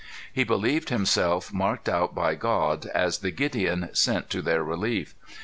"He believed himself marked out by God, as the Gideon sent to their relief.